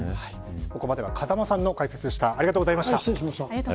ここまでは風間さんの解説でした。